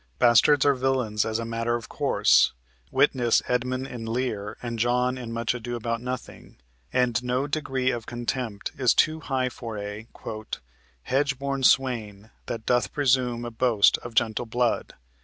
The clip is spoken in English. Bastards are villains as a matter of course, witness Edmund in "Lear" and John in "Much Ado about Nothing," and no degree of contempt is too high for a "hedge born swain That doth presume to boast of gentle blood."